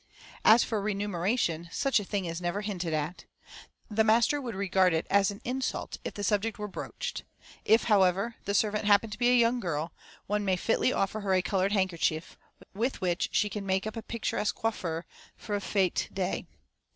As for remuneration, such a thing is never hinted at. The master would regard it as an insult if the subject were broached. If, however, the servant happen to be a young girl, one may fitly offer her a coloured handkerchief, with which she can make up a picturesque coiffure for a fête day.